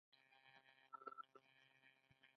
د میرمنو کار او تعلیم مهم دی ځکه چې مهارتونه ورښيي.